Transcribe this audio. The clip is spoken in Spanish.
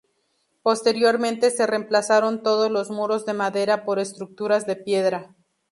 Posteriormente se reemplazaron todos los muros de madera por estructuras de piedra.